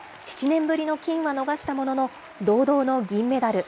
７年ぶりの金は逃したものの、堂々の銀メダル。